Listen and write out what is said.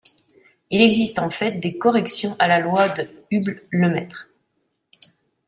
Il existe en fait des corrections à la loi de Hubble-Lemaître.